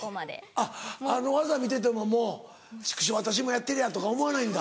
あっあの技見ててももう「チクショ私もやってりゃ」とか思わないんだ。